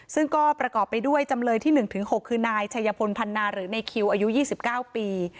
ซึ่งก็ประกอบไปด้วยจำเลยที่๑๖คือนายชัยพลพันนาหรือในคิวอายุ๒๙ปี